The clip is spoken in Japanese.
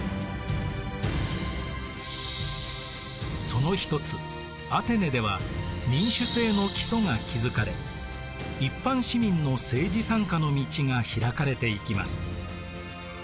そのひとつアテネでは民主政の基礎が築かれ一般市民の政治参加の道が開かれていきます。